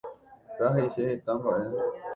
Péa he'ise heta mba'e.